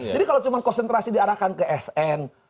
kalau cuma konsentrasi diarahkan ke sn